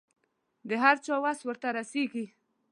د هر چا وس ورته رسېږي.